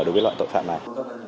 đối với loại tội phạm này